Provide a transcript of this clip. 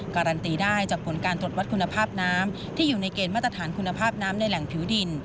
การันตีได้จากผลการตรวจวัดคุณภาพน้ำที่อยู่ในเกณฑ์มาตรฐานคุณภาพน้ำในแหล่งผิวดิน